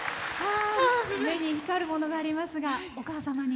目に光るものがありますがお母様に。